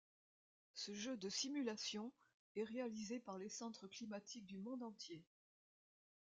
Ce jeu de simulations est réalisé par les centres climatiques du monde entier.